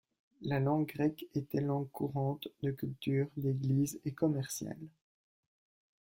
La langue grecque était langue courante, de culture, d'Eglise et commerciale.